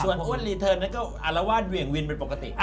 ส่วนอ้วนรีเทิร์นนั้นก็อารวาสเหวี่ยงวินเป็นปกติ